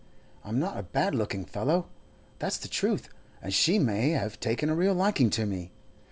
I'm not a bad looking fellow, that's the truth, and she may have taken a real liking to me.